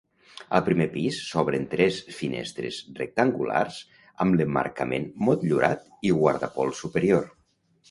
Al primer pis s'obren tres finestres rectangulars amb l'emmarcament motllurat i guardapols superior.